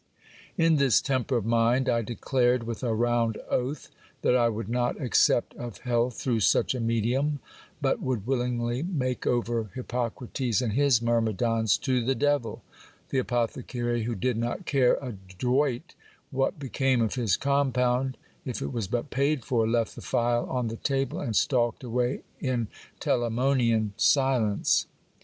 In this temper of mind, I declared, with a round oath, that I would not accept of health through such a medium, but would willingly make over Hip piocrates and his myrmidons to the deviL The apothecary, who did not care a doit what became of his compound, if it was but paid for, left the phial on the table, and stalked away in Telamonian silence.